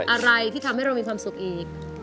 อะไรที่ทำให้เรามีความสุขอีก